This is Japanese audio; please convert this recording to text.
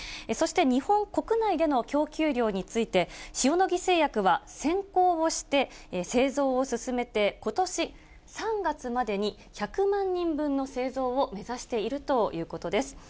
そして日本国内での供給量について、塩野義製薬は、先行をして製造を進めて、ことし３月までに１００万人分の製造を目指しているということです。